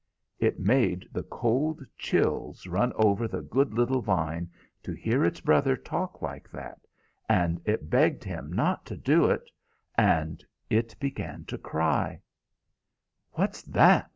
"It made the cold chills run over the good little vine to hear its brother talk like that, and it begged him not to do it; and it began to cry "What's that?"